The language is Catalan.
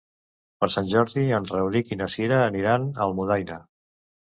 Per Sant Jordi en Rauric i na Cira aniran a Almudaina.